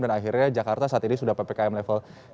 dan akhirnya jakarta saat ini sudah ppkm level tiga